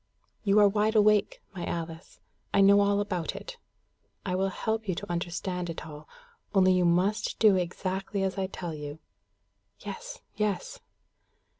"You are wide awake, my Alice. I know all about it. I will help you to understand it all, only you must do exactly as I tell you." "Yes, yes."